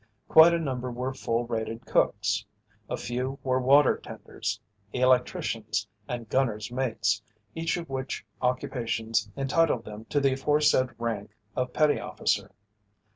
Quite a number were full rated cooks. A few were water tenders, electricians and gunners' mates, each of which occupations entitled them to the aforesaid rank of petty officer.